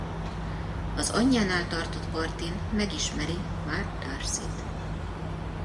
Az anyjánál tartott partin megismeri Mark Darcyt.